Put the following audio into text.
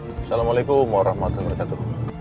assalamualaikum warahmatullahi wabarakatuh